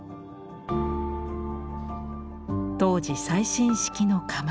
当時最新式の窯。